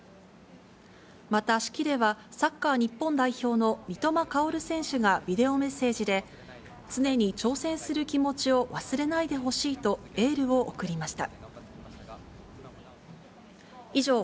また式では、サッカー日本代表の三笘薫選手がビデオメッセージで、常に挑戦する気持ちを忘れないでほしいと、エールを送りました。